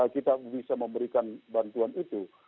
kita bisa memberikan bantuan itu